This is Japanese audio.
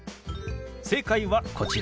正解はこちら。